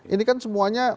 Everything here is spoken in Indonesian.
ini kan semuanya